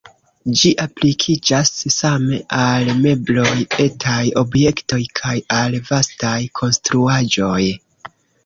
Ĝi aplikiĝas same al mebloj, etaj objektoj, kaj al vastaj konstruaĵoj.